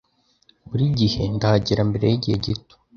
Buri gihe ndahagera mbere yigihe gito.